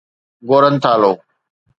Gorontalo